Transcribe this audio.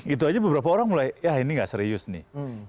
itu aja beberapa orang mulai ya ini nggak serius nih